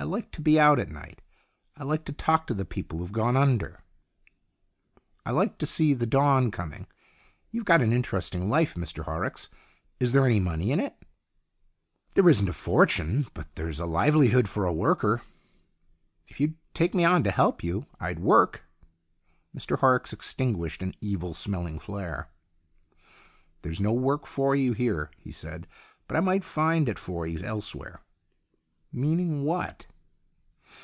I like to be out at night. I like to talk to the people who've gone under. I like to see the dawn coming. You've got an interesting life, Mr Horrocks. Is there any money in it ?" "There isn't a fortune, but there's a livelihood for a worker." " If you'd take me on to help you, I'd work." Mr Horrocks extinguished an evil smelling flare. " There's no work for you here," he said. " But I might find it for you elsewhere." " Meaning what